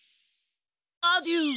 アデュー！